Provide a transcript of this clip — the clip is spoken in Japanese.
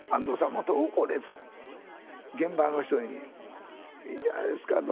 もっと怒れと現場の人に。いいんじゃないですかと。